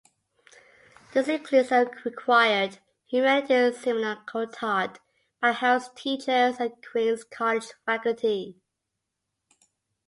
This includes a required humanities seminar co-taught by Harris teachers and Queens College faculty.